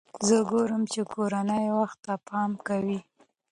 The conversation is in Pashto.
زه ګورم چې کورنۍ وخت ته پام کوي.